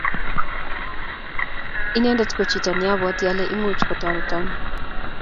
Inendet ko chito ne abwati ale imuch kotoreton.